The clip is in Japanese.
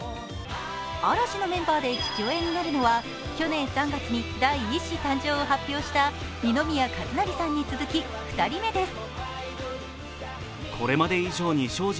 嵐のメンバーで父親になるのは去年３月に第１子誕生を発表した二宮和也さんに続き２人目です。